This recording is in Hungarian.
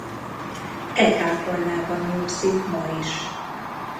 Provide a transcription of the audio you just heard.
E kápolnában nyugszik ma is.